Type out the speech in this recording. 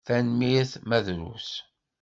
Tanemmirt, ma drus.